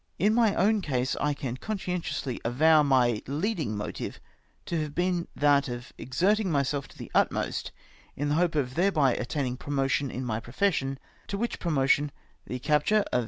In my own case, I can conscientiously avoAV my leading motive to have been that of exerting myself to the utmost in the hope of thereby attaining promotion in my profession, to which promotion the capture of POLITICAL FAVOURITISM.